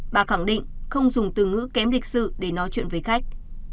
bà khẳng định không dùng từ ngữ kém lịch sự để nói chuyện với khách